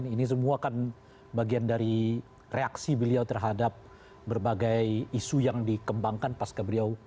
ini semua kan bagian dari reaksi beliau terhadap berbagai isu yang dikembangkan pas keberiau